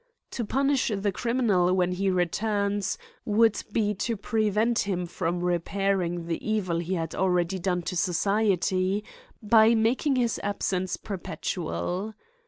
To punish the criminal when he returns, would be to prevent him from repairing the evil he had already done to society, by making his absence perpetual.